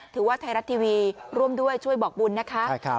ถือว่าไทยรัฐทีวีร่วมด้วยช่วยบอกบุญนะคะ